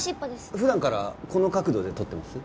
普段からこの角度で撮ってます？